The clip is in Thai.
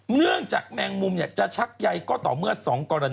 เนื่องจากแมงมุมจะชักใยก็ต่อเมื่อ๒กรณี